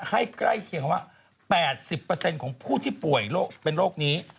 ใกล้เคียงว่า๘๐ของผู้ที่ป่วยเป็นโรคนี้